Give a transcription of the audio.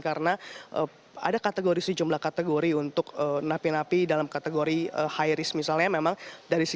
karena ada kategori sejumlah kategori untuk napi napi dalam kategori high risk misalnya